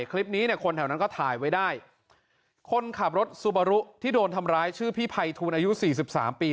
คลิปนี้เนี่ยคนแถวนั้นก็ถ่ายไว้ได้คนขับรถซูบารุที่โดนทำร้ายชื่อพี่ภัยทูลอายุสี่สิบสามปี